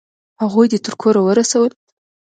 هغوی دې تر کوره ورسول؟